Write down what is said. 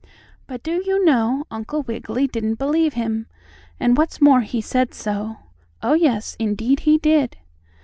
But, do you know, Uncle Wiggily didn't believe him, and, what's more, he said so. Oh, yes, indeed he did!